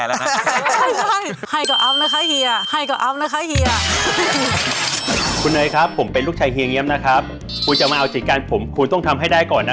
นี่ก็สมัยจริงนะคะ